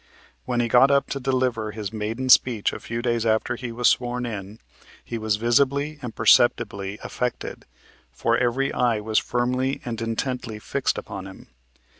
When he got up to deliver his maiden speech a few days after he was sworn in, he was visibly and perceptibly affected, for every eye was firmly and intently fixed upon him.